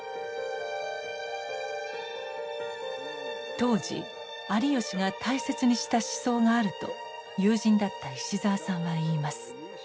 当時有吉が大切にした思想があると友人だった石澤さんは言います。